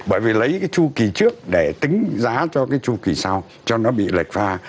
bởi vì lấy cái chu kỳ trước để tính giá cho cái chu kỳ sau cho nó bị lệch pha